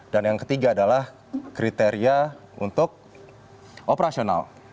dan yang ketiga adalah kriteria untuk operasional